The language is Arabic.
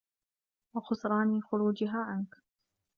وَخُسْرَانِ خُرُوجِهَا عَنْك